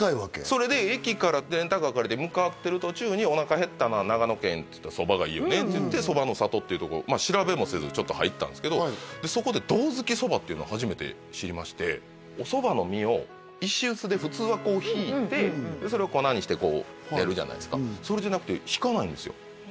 それで駅からレンタカー借りて向かってる途中におなかへったな長野県ってそばがいいよねっていってそばのさとっていうとこ調べもせず入ったんですけどそこでどうづきそばっていうの初めて知りましておそばの実を石うすで普通はこう挽いてそれを粉にしてこうやるじゃないですかそれじゃなくて挽かないんですよ